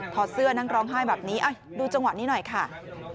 อดเสื้อนั่งร้องไห้แบบนี้ดูจังหวะนี้หน่อยค่ะ